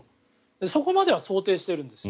そこまでは想定しているんですよ